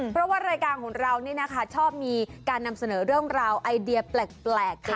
เพราะว่ารายการของเรานี่นะคะชอบมีการนำเสนอเรื่องราวไอเดียแปลก